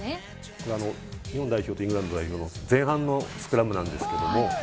これ、日本代表とイングランド代表の前半のスクラムなんですけども。